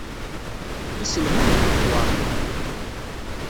Iselman deg ukwaṛyum.